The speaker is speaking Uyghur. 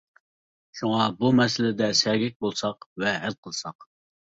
شۇڭا بۇ مەسىلىدە سەگەك بولساق ۋە ھەل قىلساق!